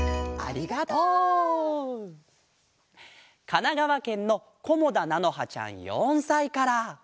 かながわけんのこもだなのはちゃん４さいから。